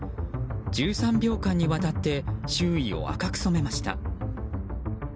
１３秒間にわたって周囲を赤く染めました。